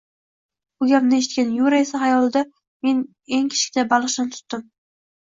Bu gapni eshitgan Yura esa xayolida: – Men eng kichkina baliqchani tutdim